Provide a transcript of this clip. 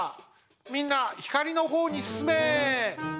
みんなひかりのほうにすすめ！